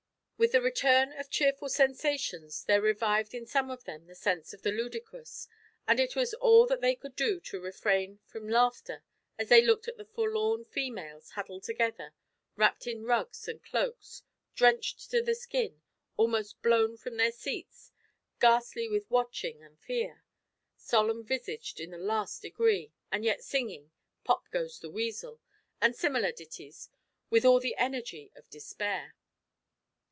With the return of cheerful sensations there revived in some of them the sense of the ludicrous, and it was all that they could do to refrain from laughter as they looked at the forlorn females huddled together, wrapped in rugs and cloaks, drenched to the skin, almost blown from their seats, ghastly with watching and fear, solemn visaged in the last degree, and yet singing "Pop goes the weasel," and similar ditties, with all the energy of despair.